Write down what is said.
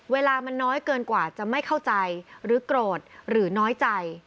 เวลามันน้อยเกินกว่าจะไม่เข้าใจหรือโกรธหรือน้อยใจ